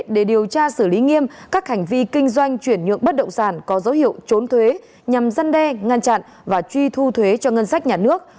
để điều tra xử lý nghiêm các hành vi kinh doanh chuyển nhượng bất động sản có dấu hiệu trốn thuế nhằm giăn đe ngăn chặn và truy thu thuế cho ngân sách nhà nước